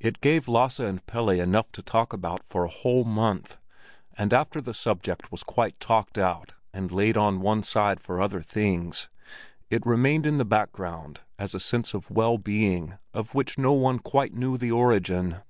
It gave Lasse and Pelle enough to talk about for a whole month, and after the subject was quite talked out and laid on one side for other things, it remained in the background as a sense of well being of which no one quite knew the origin.